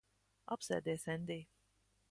Apsēdies, Endij.